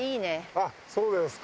あっそうですか。